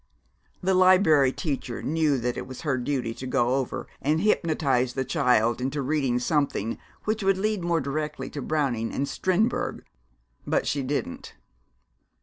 The Liberry Teacher knew that it was her duty to go over and hypnotize the child into reading something which would lead more directly to Browning and Strindberg. But she didn't.